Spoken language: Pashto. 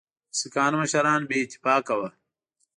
د سیکهانو مشران بې اتفاقه وه.